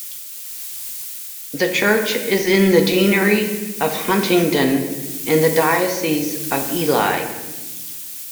The church is in the deanery of Huntingdon in the diocese of Ely.